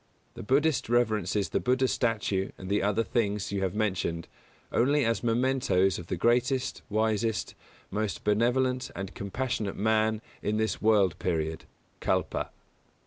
The Buddhist reverences the Buddha's statue and the other things you have mentioned, only as mementoes of the greatest, wisest, most benevolent and compassionate man in this world period (Kalpa).